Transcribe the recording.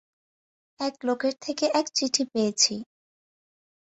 এক লোকের থেকে এক চিঠি পেয়েছি।